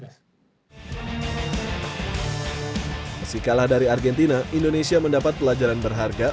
meski kalah dari argentina indonesia mendapat pelajaran berharga